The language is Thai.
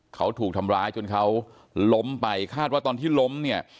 เขาถูกทำร้ายจนเขาล้มไปคาดว่าตอนที่ล้มเนี่ย